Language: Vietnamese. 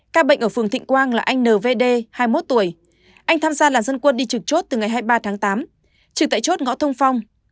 ca bệnh ở phường thịnh quang là anh n v d hai mươi một tuổi anh tham gia làn dân quân đi trực chốt từ ngày hai mươi ba tháng tám trực tại chốt ngõ thông phong